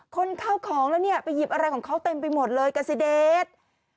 คนเข้าของแล้วเนี่ยไปหยิบอะไรของเขาเต็มไปหมดเลยกาซิเดช